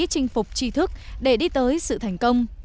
chinh phục tri thức để đi tới sự thành công